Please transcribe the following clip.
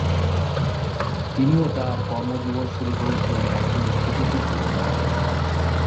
তিনিও তাঁর কর্মজীবন শুরু করেছিলেন একজন শিশুশিল্পী হিসাবে।